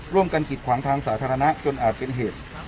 กิดขวางทางสาธารณะจนอาจเป็นเหตุ